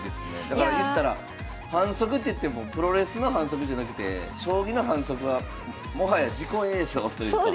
だから言ったら反則っていってもプロレスの反則じゃなくて将棋の反則はもはや事故映像というか。